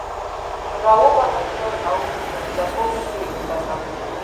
را وبهر کړ او سرپوښ یې ترې ایسته کړ.